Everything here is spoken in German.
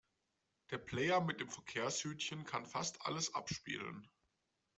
Der Player mit dem Verkehrshütchen kann fast alles abspielen.